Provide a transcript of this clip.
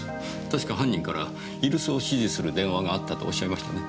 確か犯人から居留守を指示する電話があったとおっしゃいましたね？